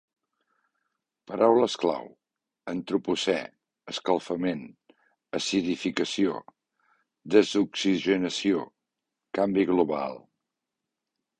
Paraules clau: antropocè, escalfament, acidificació, desoxigenació, canvi global.